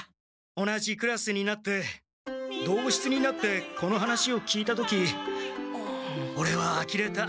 同じクラスになって同室になってこの話を聞いた時オレはあきれた。